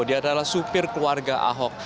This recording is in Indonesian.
dia adalah supir keluarga ahok